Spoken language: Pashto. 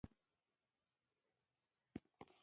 د علامه رشاد لیکنی هنر مهم دی ځکه چې لوستونکي قانع کوي.